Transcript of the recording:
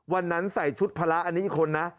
วันนั้นใส่ชุดภาระอันนี้อีกคนนะ